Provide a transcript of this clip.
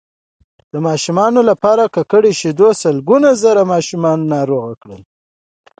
د ماشومانو لپاره ککړو شیدو سلګونه زره ماشومان ناروغان کړل